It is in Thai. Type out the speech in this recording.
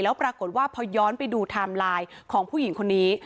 แล้วปรากฏว่าพอย้อนไปดูไทม์ไลน์ของผู้หญิงคนนี้